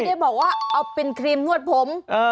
ได้บอกว่าเอาเป็นครีมนวดผม